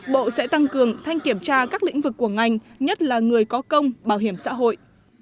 bộ sẽ tăng cường thanh kiểm tra các lĩnh vực của ngành nhất là người có công bảo hiểm xã hội